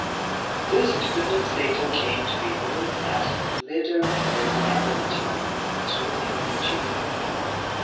This dependence later came to be known as relative permeability in petroleum engineering.